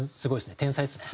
天才ですね。